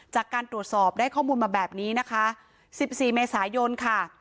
จากการตรวจสอบได้ข้อมูลมาแบบนี้นะคะ๑๔เมษายนค่ะ